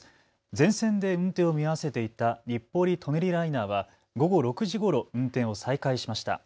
全線で運転を見合わせていた日暮里・舎人ライナーは午後６時ごろ運転を再開しました。